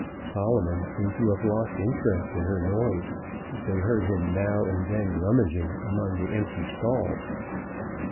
Solomon seemed to have lost interest in her noise, as they heard him now and then rummaging among the empty stalls.